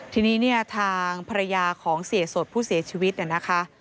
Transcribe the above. ทีนี้เนี่ยทางภรรยาของเสียสดผู้เสียชีวิตเนี่ยนะคะ